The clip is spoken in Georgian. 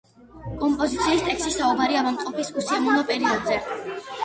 კომპოზიციის ტექსტში საუბარი ავადმყოფობის უსიამოვნო პერიოდზე.